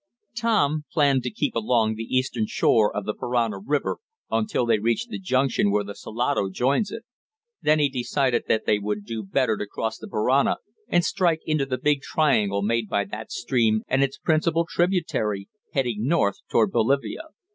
Tom planned to keep along the eastern shore of the Parana river, until they reached the junction where the Salado joins it. Then he decided that they would do better to cross the Parana and strike into the big triangle made by that stream and its principal tributary, heading north toward Bolivia.